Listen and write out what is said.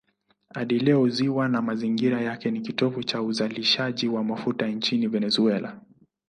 Hadi leo ziwa na mazingira yake ni kitovu cha uzalishaji wa mafuta nchini Venezuela.